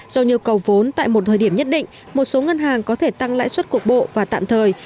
do nhu cầu vốn tại một thời điểm nhất định một số ngân hàng có thể tăng lãi suất cuộc bộ và tạm thời